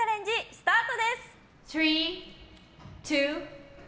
スタートです！